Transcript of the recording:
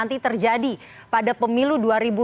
nanti terjadi pada pemilu dua ribu dua puluh